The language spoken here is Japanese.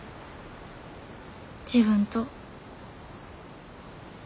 自分と。